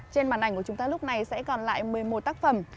trên màn ảnh của chúng ta lúc này sẽ còn lại một mươi một tác phẩm